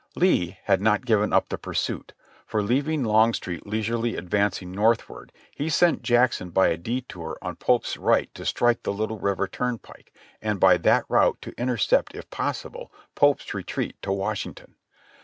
Lee had not given up the pursuit ; for leaving Longstreet leis urely advancing northward, he sent Jackson by a detour on Pope's right to strike the Little River turnpike, and by that route to intercept if possible Pope's retreat to Washington.